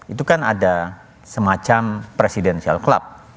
itu kan ada semacam presidential club